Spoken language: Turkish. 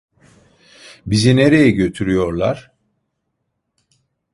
Bizi nereye götürüyorlar?